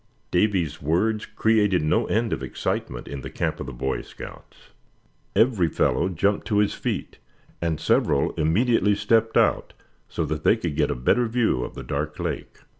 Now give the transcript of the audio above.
Davy's words created no end of excitement in the camp of the Boy Scouts. Every fellow jumped to his feet, and several immediately stepped out so that they could get a better view of the dark lake.